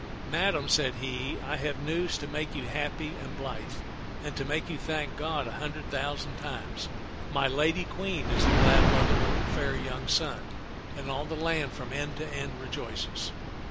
" Madame," said he, " I have news to make you happy and blithe, and to make you thank God a hundred thousand times. My lady Queen is the glad mother of a fair young son, and all the land from end ^^e (man of B(X)v'b tak 67 to end rejoices.